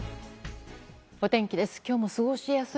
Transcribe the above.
お天気です。